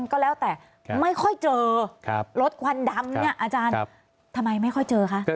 ก็แล้วแต่ไม่ค่อยเจอรถควันดำเนี่ยอาจารย์ทำไมไม่ค่อยเจอคะ